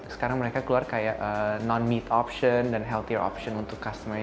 sekarang mereka keluar kayak non meet option dan healther option untuk customer